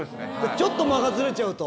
ちょっと間がズレちゃうと？